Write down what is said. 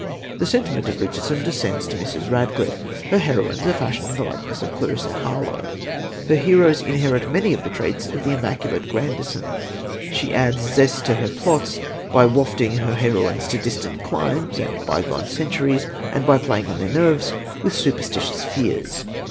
The sentiment of Richardson descends to Mrs. Radcliffe. Her heroines are fashioned in the likeness of Clarissa Harlowe; her heroes inherit many of the traits of the immaculate Grandison. She adds zest to her plots by wafting her heroines to distant climes and bygone centuries, and by playing on their nerves with superstitious fears.